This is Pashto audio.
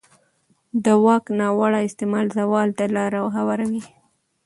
د واک ناوړه استعمال زوال ته لاره هواروي